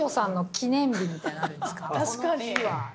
確かに。